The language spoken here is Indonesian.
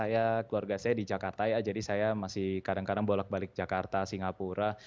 ya keluarga saya di jakarta ya jadi saya masih kadang kadang bolak balik jakarta singapura